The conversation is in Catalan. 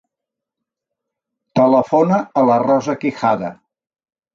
Telefona a la Rosa Quijada.